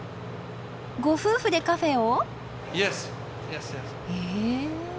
ご夫婦でカフェーを？